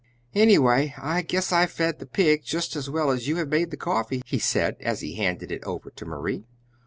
"Anyway, I guess I've fed the pig just as well as you have made the coffee," he said, as he handed it over to Marie.